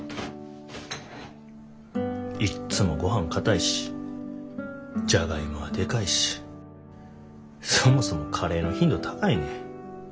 いっつもごはんかたいしジャガイモはでかいしそもそもカレーの頻度高いねん。